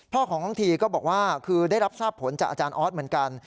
พ่อของน้องทีก็บอกว่าคือได้รับทราบผลจากอาจารย์ออสเหมือนกัน